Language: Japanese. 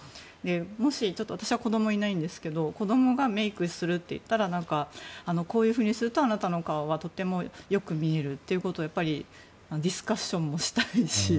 もし私は子どもはいないんですが子どもがメイクするといったらこういうふうにするとあなたの顔はとってもよく見えるってディスカッションもしたいし。